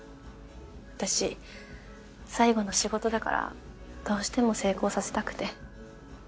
私最後の仕事だからどうしても成功させたくて。